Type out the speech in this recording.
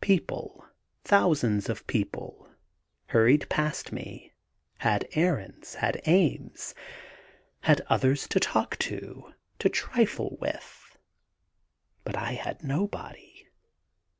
People thousands of people hurried past me, had errands, had aims, had others to talk to, to trifle with. But I had nobody.